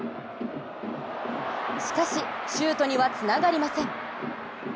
しかし、シュートにはつながりません。